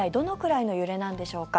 一体、どのくらいの揺れなんでしょうか？